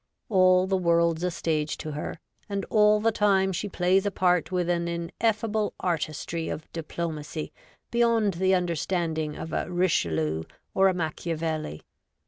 All the world's a stage to her, and all the time she plays a part with an ineffable artistry of diplomacy beyond the understanding of a Richelieu or a Machiavelli.